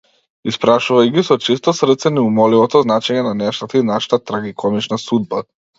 Испрашувај ги со чисто срце неумоливото значење на нештата и нашата трагикомична судба.